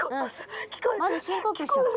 まず深呼吸しよう。